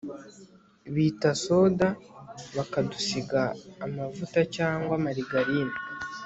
bita soda bakadusiga amavuta cyangwa marigarine